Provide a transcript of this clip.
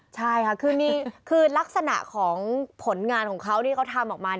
ใช่ค่ะคือลักษณะของผลงานของเขาที่เขาทำออกมา